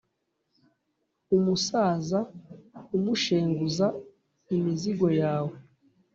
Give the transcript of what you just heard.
umusaza umushenguza imizigo yawe!